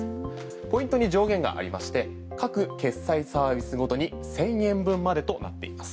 ポイントに上限がありまして各決済サービスごとに１０００円分までとなっています。